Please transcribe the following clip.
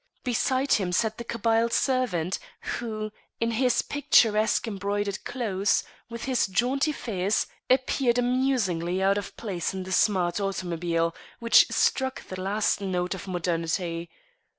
Beside him sat the Kabyle servant, who, in his picturesque embroidered clothes, with his jaunty fez, appeared amusingly out of place in the smart automobile, which struck the last note of modernity.